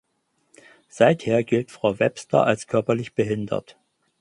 Seither gilt Frau Webster als körperlich behindert.